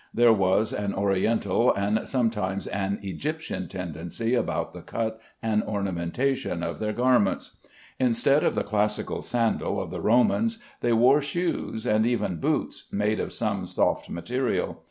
There was an Oriental and sometimes an Egyptian tendency about the cut and ornamentation of their garments. Instead of the classical sandal of the Romans they wore shoes, and even boots, made of some soft material.